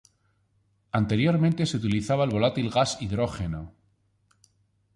Anteriormente se utilizaba el volátil gas hidrógeno.